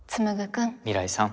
未来さん。